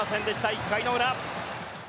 １回の裏。